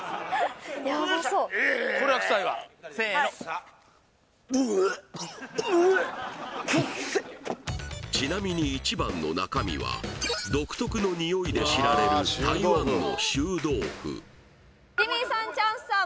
せーのちなみに１番の中身は独特のニオイで知られる台湾の臭豆腐ジミーさんチャンスさん